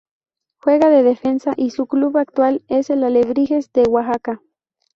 Juega de Defensa y su club actual es el Alebrijes de Oaxaca.